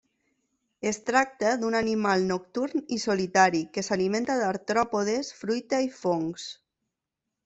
Es tracta d'un animal nocturn i solitari que s'alimenta d'artròpodes, fruita i fongs.